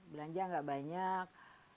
belanja tidak banyak